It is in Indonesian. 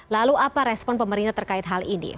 lalu apa respon pemerintah terkait hal ini